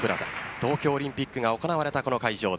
東京オリンピックが行われたこの会場で